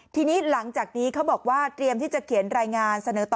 ทีนี้หลังจากนี้เขาบอกว่าเตรียมที่จะเขียนรายงานเสนอต่อ